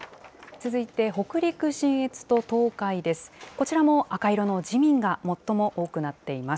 続いて北陸・信越と東海です。